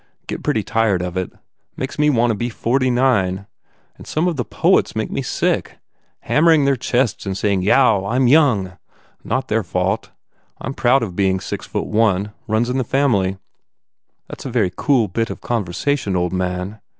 Get pretty tired of it. Makes me want to be forty nine. And some of the poets make me sick. Hammering their chests and saying, Yow! I m young! ... Not their fault. I m not proud of being six foot one. Runs in the family." "That s a very cool bit of conversation, old man.